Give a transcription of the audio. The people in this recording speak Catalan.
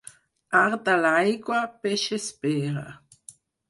Art a l'aigua, peix espera.